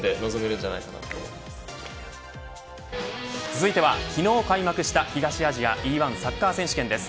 続いては昨日開幕した東アジアＥ‐１サッカー選手権です。